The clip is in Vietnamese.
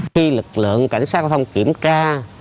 khi lực lượng cảnh sát giao thông kiểm tra